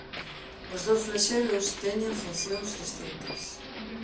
Os dous flaxelos teñen funcións distintas.